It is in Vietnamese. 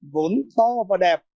vốn to và đẹp